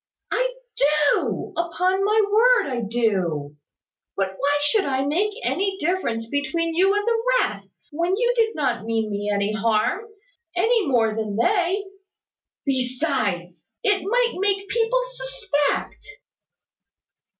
"I do, upon my word, I do. But why should I make any difference between you and the rest, when you did not mean me any harm, any more than they? Besides, it might make people suspect."